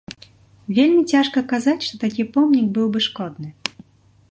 Вельмі цяжка казаць, што такі помнік быў бы шкодны.